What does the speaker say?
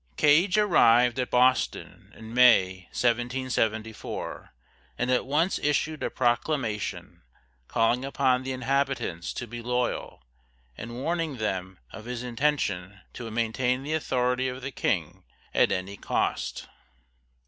Gage arrived at Boston in May, 1774, and at once issued a proclamation calling upon the inhabitants to be loyal, and warning them of his intention to maintain the authority of the King at any cost.